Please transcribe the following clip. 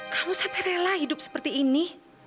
kamu sampai rela hidup seperti ini